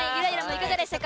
いかがでしたか？